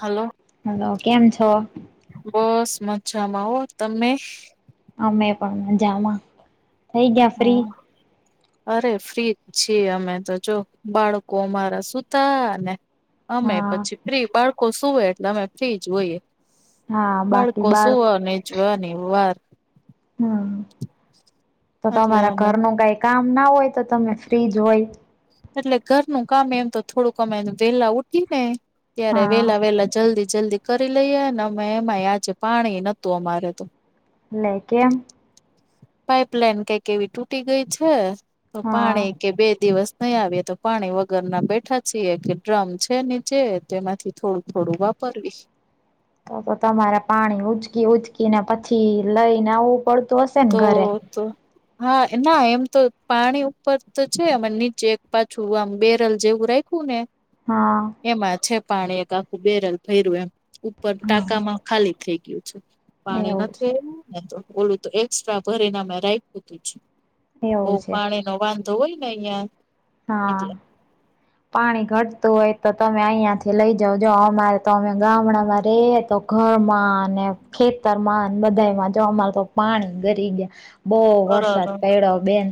Hello hello કેમ છો બસ મજામાં હો તમે અમે પણ મજામાં થઈ ગયા ફ્રી હા, અરે ફ્રી છીએ અમે તો જો બાળકો અમારા સુૂતા ને અમે હા પછી ફ્રી બાળકો શું હોય એટલે અમે ફ્રી હોએ હા બાકી બાળકો બાળક શું જોવાની વાર હમ તો એટલે તમારા અમે ઘરનું કઈ કામ ના હોય તો તમે ફ્રીજ હોય? એટલે ઘરનું કામ એમ તો થોડુંક અમે વેલા ઉઠી ને ત્યારે હા વેલા વેહલા જલ્દી જલ્દી કરી લઈએ ને અમે એમાં આજે પાણી નહતું અમારે તો લ લ કેમ? પાઈપલાઈન કઈક એવી તૂટી ગઈ છે તો હા પાણી કે બે દિવસ નહીં આવીએ તો પાણી વગર ના બેઠા છીએ કે ડ્રમ છે નીચે તેમાંથી થોડું થોડું વાપર પર, વીસ તો તો તમારે પાણી ઉચકી ઉચકીને પછી લઈને આવવું પડતું હશે ને તો ઘરે તો હા ના એમ તો પાણી ઉપર તો છે અને નીચે એક પાછું આમ બેરલ જેવું રા ખૂન હા. એમાં છે પાણી એક આખું બેરલ ભેર્યું એ ઉપર હા ટાકામાં ખાલી થઈ ગયું છે. પાણી એવું છે નથી આવ્યું ને તો ઓલું તો એક્સ્ટ્રા ભરીને મે રાખીયુ છે. એવું બહ છે પાણી નો વાંધો હોય ને અહિયાં. હા એટલે પાણી ઘટતું હોય તો તમે અહિયાંથી લઇ જાવ જો અમારે તો અમે. ગામડામાં રે તો ઘરમાં અને ખેતરમાં બધામાં જો અમા તો. પાણી ગરી ગયા બહુ વરસાદ પડડ્યો બેન.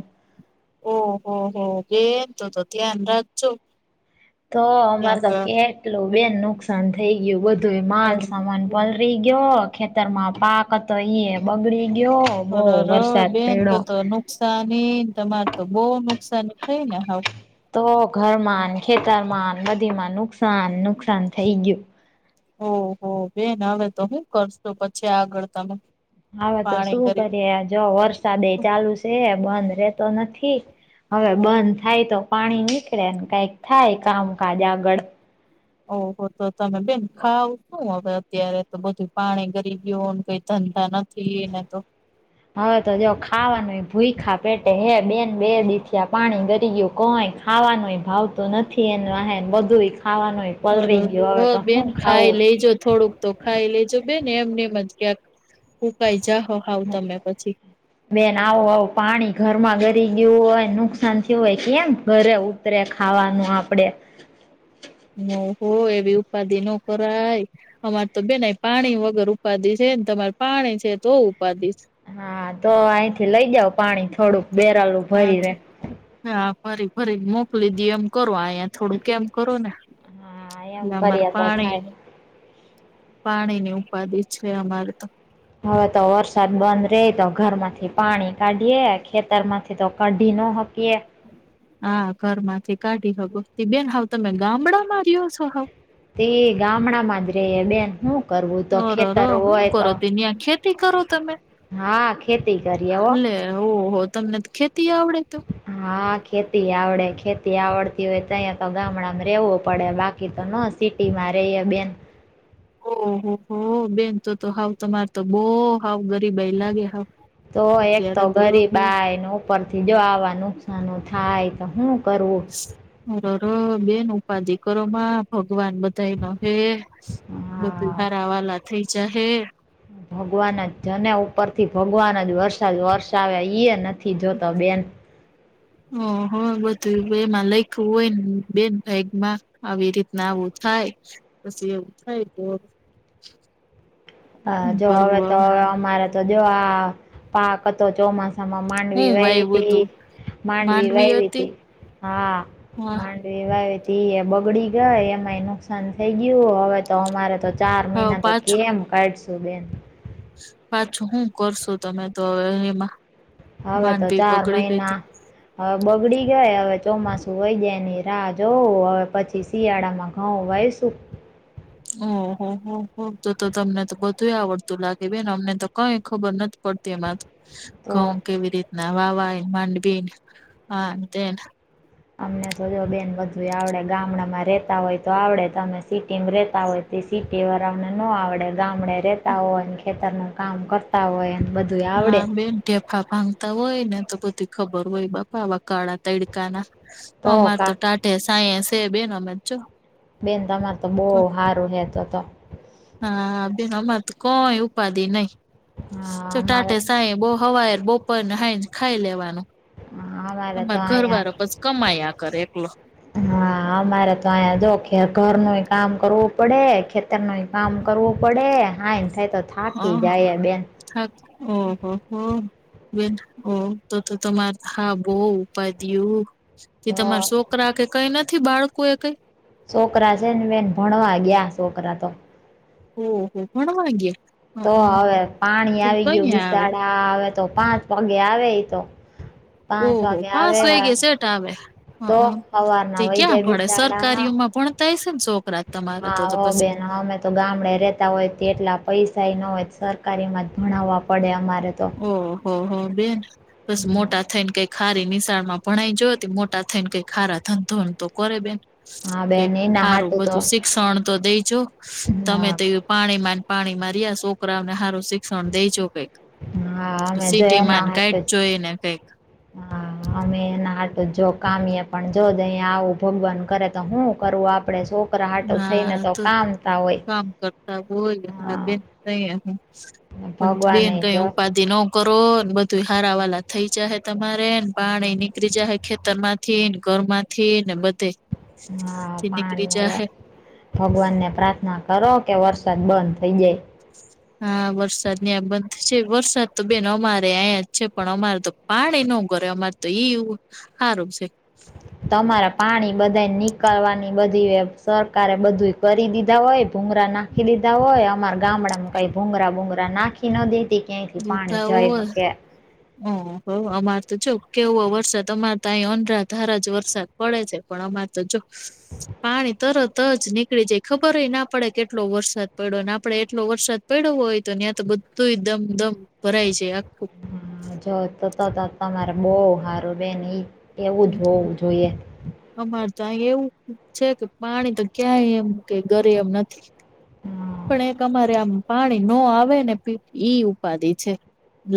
ઓહો હો બેન તો તો ધ્યાન રાખજો. તો અમારે ક્યાંક તો કેટલું બેન નુકસાન થઈ ગયું બધું એ માલ સામાન. પલરી ગયો ખેતરમાં પાક હતો ઈ બગડી ગયો. બહ વરસાદ પણ. નુકસાનીને તમારે તો બહુ નુકસાન થઈ ને હ. તો ઘરમાં ખેતરમાં નદી માં નુકસાન નુકસાન થઈ ગયું. ઓહો બેન હવે તો શું કરશું પછી આગળ તમે. હવે તો શું પાણી કરી કરીએે જો વરસાદ એ ચાલુ છે બંધ રેતો નથી. હવે બંધ થાય તો પાણી નીકળેને કઈક થાય કામકાજ આગળ. ઓહો તો તમે બેન ખાવ શું હવે અત્યારે તો બધું પાણી ગરી ગું કઈ ધંધા નથી. એ ને તો. હવે તો જો ખાવાનું ભૂઈખા પેટે હે બેન બે દીથિયા. પાણી ગરી ગયું કોય ખાવાનોય ભાવ તો નથી એને બધું ખાવાનુંય. બરોબ બેન ખાઈ લેજો થોડુંક. તો ખાઈ લેજો બે ને એમને એમ જ ક્યાંક હું કાય જાહો હાવ તમે પછી. બેન આવું આવું પાણી ઘરમાં ગરી ગયું હોય નુકસાન થયું હોય કેમ ગળે ત ખાવાનું આપડે. હ હો એવી ઉપાધિ ન કરાય. અમારે તો બેના પાણી વગર ઉપાદી છેને તમારે પાણી છે તો ઉપાદી. હા તો અહીંથી લઈ જાાવ પાણી થોડુંક બેરાલું હા ભરી રે. હા ભરી ભરી મોકલી દ એમ કરો અહીંયા થોડું કેમ કરો ને. હા એમ અમાર કરીએ તો પાણી થાય. પાણીની ઉપાધિ છે અમારે તો. હવે તો વરસાદ બંધ રે તો ઘરમાંથી પાણી કાઢીએે ખેતર માંથી. તો કઢિ ન હકીએ. હા ઘર માંથી કાઢી હકો બેન હાવ તમે ગામડા માર્યો છો હાવ. તે ગામડામાં જ રે બેન શું કરવું તો ખેતર હોય તો. ની આખ્યાત. ખેતી કરો તમે હા ખેતી કરીએ હો લે ઓહો તમને ખેતી આવડે તો. હા ખેતી આવડે ખેતી આવડતી હોય તો અહીંયા તો ગામડામાં રેવું પડે બાકી તો ન. સિટીમાં રહી બેન. ઓહ હો બેનતો તો હાવ તો મારે. તો બહ હાવ ગરીબાઈ લાગે હાવ તો એક અત્યારે તો. ગરીબાય ને ઉપરથી જો આવા નુકસનો થાય તો શું કરવું. અરર બેન ઉપાધીિકરોમાં. ભગવાન બધા ન હ બધું હા હારવાના થઈ જા હ. ભગવાન જ જને ઉપરથી ભગવાન જ વરસાદ વરસાવ્યા ઈ એ નથી જોતો બેન. ઓ હ બધું એમાં લખું હોય ને બેન ભગમાં. આવી રીતના આવું થાય પછી એવું થાય તો. હા હું જો હવે કરવું તોવે અમારે તો જો આ પાક હતો ચોમાસ. હું માંડવીવા ત વાયવું તું માંડવી માંડવીવાયવી ત હતી હા હા માંડ. એવાવે ધી એ બગડી ગયા એમાંય નુકસાન થઈ ગયું હવે તો અમારે તો. ચાર હવે મહિના તો પાછું કેમ કાઢશું બેન. પાછું હું કરશું તમે તો હવે એમાં. હવે તો માંડવી ચાર બગડી ગઈ તો મહિના હવે બગડી ગયા હવે ચોમાસુ વહી જાય એની રાહ જોવ હવે પછી શિયાળામાં હા વાવસુ ઓહ હો હો તો તો તમને તો બધું આવડતું લાગે બેન અમને તો કઈ ખબર નથી. પડતી એમાં ઘઉ તો કેવી રીતના વાવાય માંડવી આમ તેમ. [inaudible] અમને તો જો બેન બધું આવડે ગામડામાં રહેતા હોય તો આવડે તમે સિટીમાં રહેતા હોય સીટી વાળાને ન આવડે ગામડે રેતા હોયને ખેતર નું કામ કરતા હોય એને બધું આવડે હા બેન ઢેફાં ભાંગતા હોય ને તો બધી ખબર હોય બાપા ઓલા કાળા તલ કા ના અમાર તો ટાટયા સાયન સેબ અમે જો બેન તમાર તો બો હારું હે તો તો. હા બેન અમાર તો કઈ ઉપાધિ નઈ. હા અમારે ચટાટે સાંય બો હવાર, બોપરને હાઈ ખાઈ લેવાનું. અમારે તો આમર ઘર વાડો અહીંયા પછી કમાઈયા કરે એટલે હા અમારે તો અહીંયા જો ખેતર નું યે કામ કરવું પડે તમે કામ કરવું પડે હાજ થાય તો થાકી જાય બેન. હા ઓહ હો. બેન ઓ તો તો તમારે હા બો ઉપાધિ એવું. તો તમાર સોકરા કે કઈ નથી બાળકો એ કઈ? છે પર આજે નિવાન ભણવા આવ્યા હસે કદાચ તો ઓહ હો ભણવા ગિયા. તો હવે પાણી આવી ગયું આવે બિસાડા હા આવે તો પાંચ વાગે આવે તો. પાંચ ઓહો વાગે પાચ આવે વાગે સેટ આવે તો હમમ તે હવારના વહી ક્યાં જાય ભણે બિસાડા સરકારીઓમાં ભણ તા છે ને છોકરા તમારે હા તો તો હો પછી બેન અમે તો ગામડે રેતા હોય તો એટલા પૈસા ન હોય, સરકારીમાં જ ભણાવવા પડે અમારે તો ઓહ હો બેન બસ મોટા થઈ ને કઈક ખારી નિશાળમાં ભણાઈ જોય ત્ય મોટા થઈને કઈ ખારા ધનધો ની તો કરે બેન. હા કઈક બેન એના હારું હાટું તો બધું શિક્ષણ તો દેજો તમે હા તો પાણી માં ને પાણી મા રિયા છોકરાઓને હારું શિક્ષણ દેજો કઈક. હા અમે જો સિટી માં એના ને કઈકે હાટું જ જોઈ ને કઈક. હા અમે એના આટું જો કામીએ પણ જો અહીયા આવું ભગવાન કરે તો હું કરું આપડે સોક હા તો કામ કરતા બોલ હા બેઈ કયે હું પણ તું બેન ભગવાને કઈ જો ઉપાધિ નો કરવો ને બધું હારા વાલા થઈ જાય તમારે પાણી નીકળી જાય ખેતર માં તો થી ને ઘરમાંથી ને બધે થી નીકળી જાહે. ભગવાન ને પ્રાર્થના કરો કે વરસાદ બંધ થઇ જાય. હા વરસાદની આ બંધ છે વરસાદ તો બેન અમારે અંયા જ છે પણ અમારે તો પાણી નો ઘડે અમારે તો ઈ સારું છે. તમારે પાણી બધા નીકળવાની બધી એ સરકારે બધું કરી દીધા હોય ભૂમરા ના નાખી દીધા હોય અમારે ગામડામાં કઈ ભૂગરા બુંગરા નાખી ના દેતી ક્યાંયથી પાણી જઈ શકે. ઓ હવે અમાર તો જો કેવો વરસાદ અમારે તો અહી ઓંધરા ધારા જ વરસાદ પડે છે પણ અમાર ત્યાં જો પાણી તરત જ નીકળી જાય ખબર યે ના પડે કેટલો વરસાદ પડ્યો અને આપડે એટલો વરસાદ પડયો હોય તો ને્યાં તો બધું દમદમ ભરાય જાય આખું. હા જો તો તમારે બો સારું બેન એવું જ હોવું જોઈએ. અમારે તો અહી એવું છે કે પાણી તો ક્યાંય એમ કે ઘડે એમ નથી. હા, પણ એક અમારે આમ પાણી ન આવે ને ઈ ઉપાધિ છે.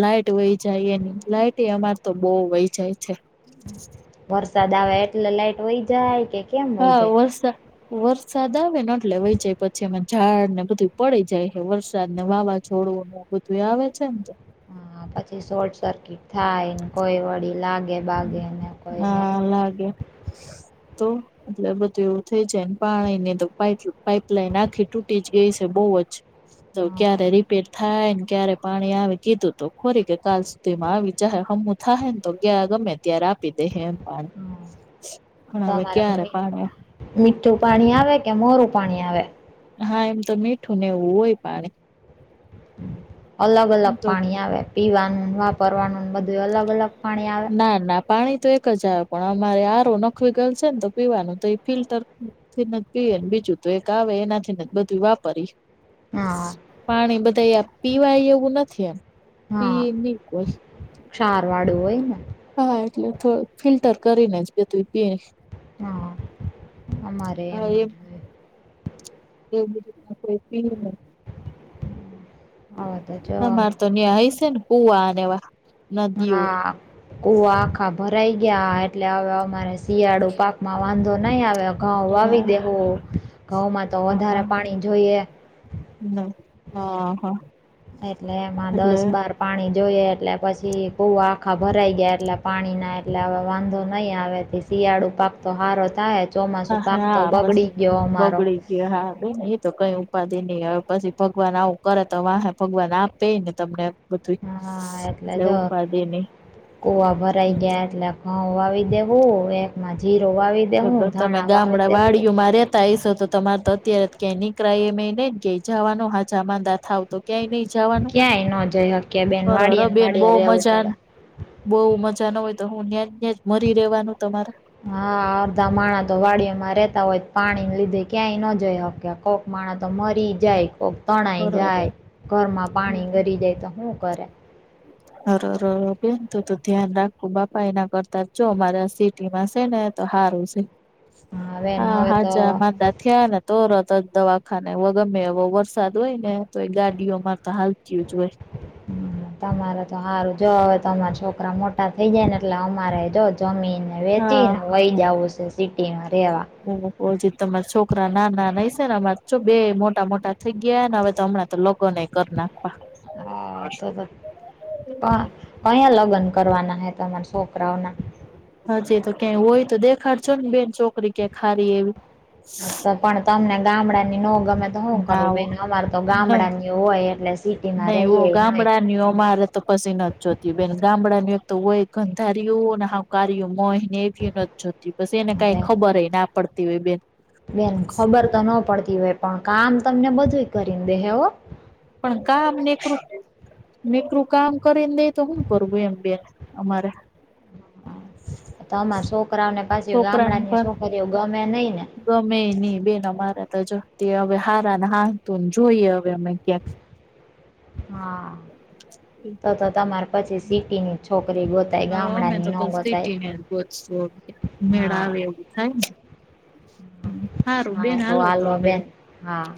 લાઈટ વહી જાય એ ને લાઈટ એ અમાર તા બો વહી જાય છે. વરસાદ આવે એટલે લાઇટ વઈ જાય કે. કેમ વહી હા જાય વરસા વરસાદ આવેને એટલે વહી જાય, પછી અમે ઝાડને બધું પડી જાય હે, વરસાદ ને વાવા છોડું ઐયા બધુંય આવે છે ને. હા, પછી શોર્ટ સર્કિટ થાય, ને કોઈ વડી લાગે બાગે ને કોઈને હા, લાગે તો એટલે બધું એવું થઈ જાયને, પાણીની તો પાપ પાઈપલાઈઇન આખી તૂટીજ ગઈ છે, બહુજ તો હા ક્યારે રીપેર થાયન ક્યારે પાણી આવી, કીધું તું ખોરી કે કાલ સુધી માં આવી જાહે, હમું થાહે ને તો ગે ગમે ત્યારે આપી દેહે એમ પાણ, હમ પણ હવે તમારે ક્યારે મી પાણી મીઠું પાણી આવે કે? મોરું પાણી આવે? હા એમ તો મીઠું ને એવું હોય પાણી. અલગ અલગ તો પાણી આવે, પીવાનું, વાપરવાનું ને બધું અલગ અલગ પાણી આવે. ના ના પાણી તો એક જ આવે, પણ અમારે આરો નું નખવી ગયલ છે ને, તો પીવાનું તો એ ફિલ્ટર થી ન પીએ, ને બીજું તો એક આવે એનાથી બધું વાપરી હા પાણી બધાયે પીવાય એવું નથી એમ, પીઇ નહી કોઈ ક્ષારવાળું હોય ને. હા એટલે, થોડું ફિલ્ટર કરીને જ બધું પીએ. હા, અમારે હા એમજ. એમ એવું બધું કોઈ પી [unintelligible] હ તો જોવાને અમારે તો ન્યા હસ્ય ન કુંઆ ને એવા? નદીઓ હા, કુઆ આખા ભરાઈ ગયા, એ ટલે હવે અમારે શિયાળુ પાકમાં વાંધો નહી આવે, અ ઘઉ ને વાવી હા દેહું. ઘઉંમાં તો વધારે પાણી જોઈએ. ન આ હા એટલે એમાં એટલે દસ બાર પાણી જોઈએ એટલે પછી, કુવા આખા ભરાઈ ગયા એટલે પાણીના, એટલે હવે વાંધો નહીં આવે. શિયાળુ પાક તો હારો થાય, ચોમાસુ હા પાક તો હા બગડી પછી ગયો અમારો. બગડી હા બે એ તો કયું ઉ ઉપાદી નહી, હવે પછી ભગવાન આવું કરે તો વાહે, ભગવાન આપેને તમને. બધું હા એટલે જો, ઉપાધિ નહી કુવા ભરાઈ ગયા એટલે. ઘઉં વાવી દેહું, એકમાં જીરો વાવી તો તો દેવું તમે ધાણા વાવી ગામડા દેવું વાડીઓમાં રે તાઈસો તો તમાર તો અત્યારે ક્યાં નિકળાએ એમએ નઈ ને કે જવાનો હાચા માદા થાવ તો. ક્યાંય નહી જવાનું, ક્યાંય ન જઈ શકીએ બેન અરર વાડીએ ને બેન વાડીએ બહું રહેવું મજા પડે બઉુ મજા ન હોય તો, હું ન્યાજ ન્યાજ મરી રહેેવાનું તમારે. હા અડધા માણાતો વાડીઓમાં રેતા હોય, પાણીને લીધે ક્યાંય ન જોઈ હકે, કોક માણતો મરી જાય, કોક તણાઈ જાય, ઘરમાં પાણી ગરી જાય તો, હુ કરે? [inaudible] અરર બેન તો તો ધ્યાન રાખું, બાપા એના કરતા જો મારા સિટીમાં છે ને. તો સારું છે, બેન હા હવે તો હાજા માંદા થયાને, તોરતજ દવાખાને, વગર મેવો વશ સાદ હોય ને, તો એ ગાડીઓમાં તો હાલતી જ હોય. હમ, તમારે તો હારું, જો હવે તમારા છોકરા મોટા થઇ જાય ને, એટલે અમારે જો જમીન વેચી હા. ને, વહી જવું છે સિટી માં રેવા. નાના બોલજે તમારા છોકરા નાના નઈ છે ને અમારે બે મોટા મોટા થઈ ગયા, ને હવે તો હમણાં તો લગન એ કરના. હા તો તો, કયાં લગ્ન કરવાના હે, તમારા છોકરાઓના. હજીતો ક્યાંય હોય તો, દેખાડ છો ને બેન છોકરી ક્યા હારી એવી હા તો પણ તમને ગામડા ની ન ગમે હું ના કરું હો બેન અમાર તો નઈ. ગામડા ની હોય એટલે સિટીમાં રહીએ નય મા તો પછી નથી જોતી બેન ગામડાનું એક તો હોય ગંધારયને હકાર્યું હોય. ને એવી નથી જોતીસ એને કઈ હવે ખબરય ના પડતી હોય બેન બેન ખબર તો ન પડતી હોય પણ કામ તમને બધું કરીને દે હવ પણ ક નેકૃત નીકરું કામ કરીને દે તો શું કરવું એમ બે અમારે તો અરા છોકરાઓને પાછી છોકરાને ગામડા ની પણ છોકરીઓ ગમે નઈ ને ગમે નહી બેન મારા તો જતી હવે હારા ને હાતુંને જોઈએ હવે અમે ક્યાંક હા તો તો તમારે પછી સિટીની છોકરી બ હ અમે તો પ સીટી ને ગોતશું મેળા હા આવે એવું થાય ને હારુંબેન હારું હાલો તો હવે હ બેન હા